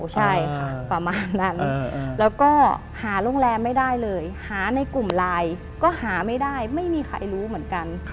ใช่ค่ะประมาณนั้นแล้วก็หาโรงแรมไม่ได้เลยหาในกลุ่มไลน์ก็หาไม่ได้ไม่มีใครรู้เหมือนกัน